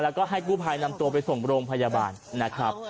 แล้วก็ให้กู้ภัยนำตัวไปส่งโรงพยาบาลนะครับ